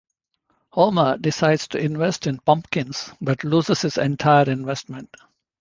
Homer decides to invest in pumpkins, but loses his entire investment.